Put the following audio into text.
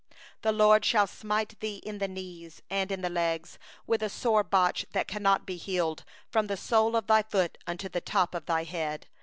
35The LORD will smite thee in the knees, and in the legs, with a sore boil, whereof thou canst not be healed, from the sole of thy foot unto the crown of thy head.